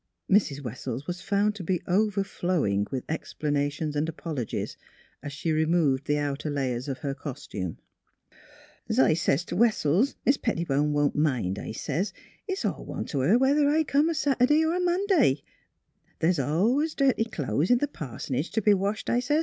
Mrs. Wessels was found to be overflowing with explanations and apologies, as she removed the outside layers of her costume. '' Es I sez t' Wessels, ' Mis' Pettibone won't care,' I sez. ' It's all one to her whether I come a Sat'day er a Monday. The's al'ays dirty clo'es t' til' pars'nage t' be washed,' I sez.